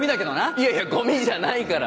いやいやゴミじゃないから。